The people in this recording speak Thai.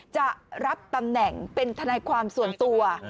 จะรับตำแหน่งเป็นทนายความส่วนตัว